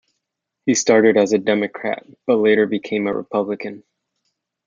He started as a Democrat, but later became a Republican.